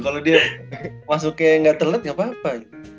kalau dia masuknya gak telat gapapa